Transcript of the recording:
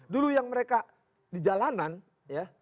dulu yang mereka di jalanan ya